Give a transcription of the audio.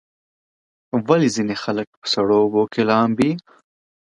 ولې ځینې خلک په سړو اوبو کې لامبي؟